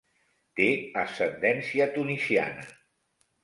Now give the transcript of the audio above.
Té ascendència tunisiana.